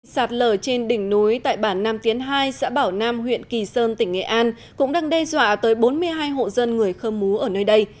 sạt lở trên đỉnh núi tại bản nam tiến hai xã bảo nam huyện kỳ sơn tỉnh nghệ an cũng đang đe dọa tới bốn mươi hai hộ dân người khơ mú ở nơi đây